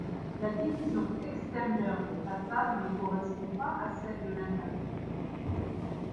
La division extérieure des façades ne correspond pas à celle de l'intérieur.